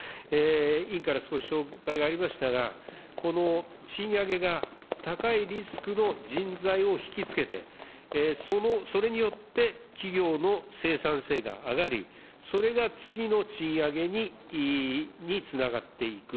委員から少し紹介がありましたが、この賃上げが高いリスクの人材を引き付けて、それによって、企業の生産性が上がり、それが次の賃上げにつながっていく。